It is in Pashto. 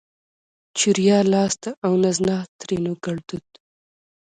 چوریا لاسته اونزنا؛ ترينو ګړدود